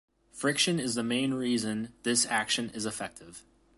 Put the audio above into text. Friction is the main reason this action is effective.